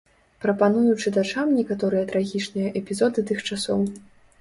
Прапаную чытачам некаторыя трагічныя эпізоды тых часоў.